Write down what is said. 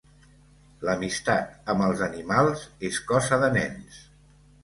L'amistat amb els animals és cosa de nens.